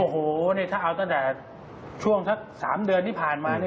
โอ้โหถ้าเอาตั้งแต่ช่วงสัก๓เดือนที่ผ่านมา